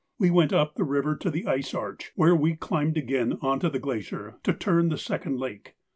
We went up the river to the ice arch, where we climbed again on to the glacier to turn the second lake.